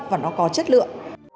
và nó có chất lượng